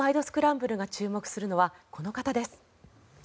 スクランブル」が注目するのはこの方です。